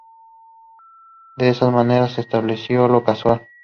De esta manera se estableció lo "casual".